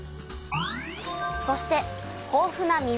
そして豊富な水。